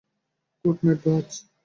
Good night, বায।